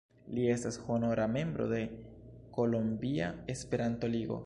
Li estas honora membro de Kolombia Esperanto-Ligo.